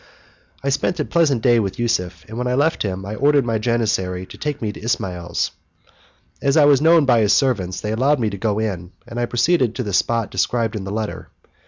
I spent a pleasant day with Yusuf, and when I left him, I ordered my janissary to take me to Ismail's. As I was known by his servants, they allowed me to go in, and I proceeded to the spot described in the letter.